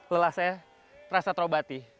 lelah saya terasa terobati